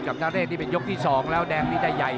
กับทะเลที่เป็นยกที่๒แล้วแดงที่จะใหญ่